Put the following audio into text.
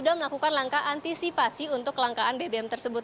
sudah melakukan langkah antisipasi untuk kelangkaan bbm tersebut